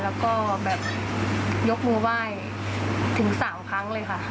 แล้วก็แบบยกมือไหว้ถึง๓ครั้งเลยค่ะ